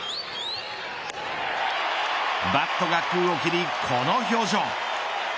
バットが空を切り、この表情。